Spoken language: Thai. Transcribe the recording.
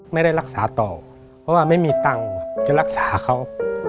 ไม่ได้รักษาต่อเพราะว่าไม่มีตังค์จะรักษาเขา